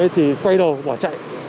thì quay đầu bỏ chạy